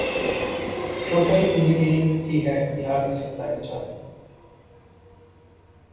'social engineering' ही है बिहार में सत्ता की चाबी